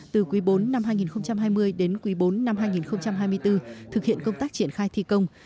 từ quý bốn năm hai nghìn hai mươi đến quý bốn năm hai nghìn hai mươi bốn thực hiện công tác triển khai thi công